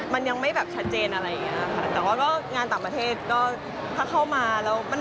มันยังไม่แบบชัดเจนอะไรอย่างเงี้ยค่ะแต่ว่าก็งานต่างประเทศก็ถ้าเข้ามาแล้วมัน